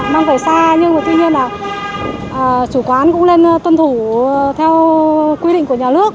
mong phải xa nhưng mà tuy nhiên là chủ quán cũng nên tuân thủ theo quy định của nhà nước